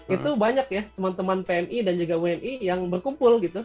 itu banyak ya teman teman pmi dan juga wni yang berkumpul gitu